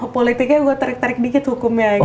politiknya gue tarik tarik dikit hukumnya gitu